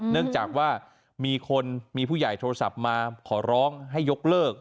เนื่องจากว่ามีคนมีผู้ใหญ่โทรศัพท์มาขอร้องให้ยกเลิก